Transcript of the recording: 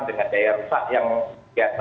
dengan daya rusak yang biasa